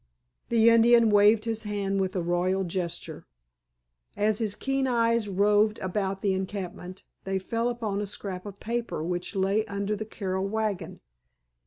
The Indian waved his hand with a royal gesture. As his keen eyes roved about the encampment they fell upon a scrap of paper which lay under the Carroll wagon.